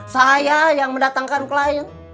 saya yang mendatangkan klien